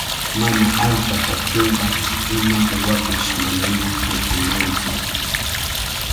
Mana allpa kaptinqa ima qiwapish manami hiqanmantsu.